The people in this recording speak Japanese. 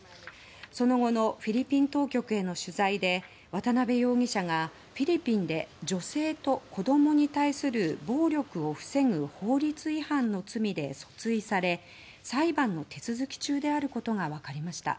その後のフィリピン当局への取材で、渡邉容疑者がフィリピンで女性と子供に対する暴力を防ぐ法律違反の罪で訴追され、裁判の手続き中であることが分かりました。